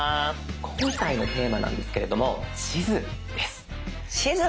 今回のテーマなんですけれども地図です。